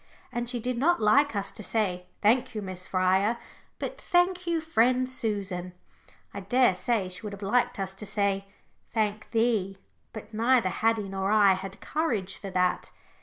And she did not like us to say, "Thank you, Miss Fryer," but "Thank you, friend Susan." I daresay she would have liked us to say, "Thank thee," but neither Haddie nor I had courage for that!